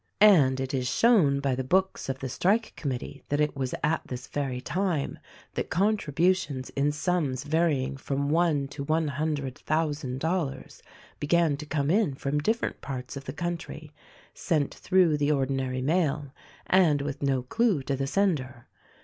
And it is shown by the books of the strike committee that it was at this very time that contributions in sums vary ing from one to one hundred thousand dollars began to come in from different parts of the country, sent through the ordinary mail and with no clue to the sender.